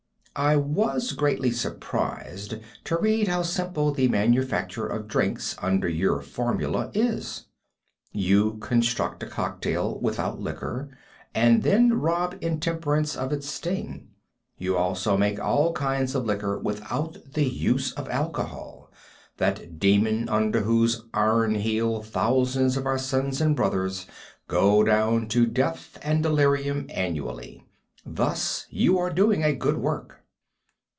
I was greatly surprised to read how simple the manufacture of drinks under your formula is. You construct a cocktail without liquor and then rob intemperance of its sting. You also make all kinds of liquor without the use of alcohol, that demon under whose iron heel thousands of our sons and brothers go down to death and delirium annually. Thus you are doing a good work.